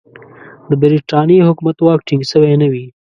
د برټانیې حکومت واک ټینګ سوی نه وي.